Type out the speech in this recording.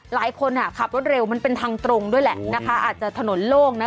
หลายคนอ่ะขับรถเร็วมันเป็นทางตรงด้วยแหละนะคะอาจจะถนนโล่งนะ